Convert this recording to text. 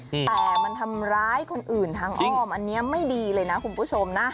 แต่มันทำร้ายคนอื่นทางอ้อมอันนี้ไม่ดีเลยนะคุณผู้ชมนะ